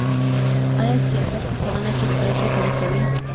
ايا سياست په ټولنه کې پرېکړې پلي کوي؟